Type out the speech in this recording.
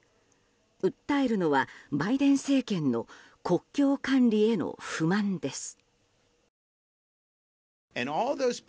訴えるのはバイデン政権の国境管理への不満です。